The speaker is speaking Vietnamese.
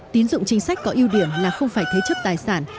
tín dụng chính sách có ưu điểm là không phải thế chấp tài sản